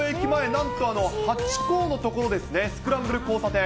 なんと、ハチ公の所ですね、スクランブル交差点。